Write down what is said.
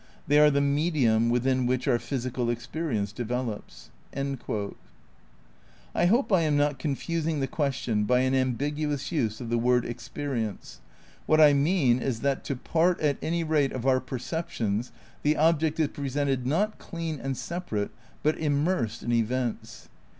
They are the medium within which our physical experience develops." ' I hope I am not confusing the question by an ambigu ous use of the word '' experience ''; what I mean is that to part, at any rate, of our perceptions the object is pre sented, not clean and separate, but immersed in events.